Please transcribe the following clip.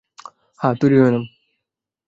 হ্যাঁ, তৈরি হয়ে নাও।